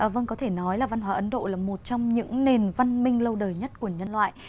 vâng có thể nói là văn hóa ấn độ là một trong những nền văn minh lâu đời nhất của nhân loại